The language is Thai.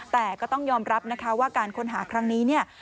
แต่ก็ต้องยอมรับนะคะว่าการค้นหาครั้งนี้เนี่ย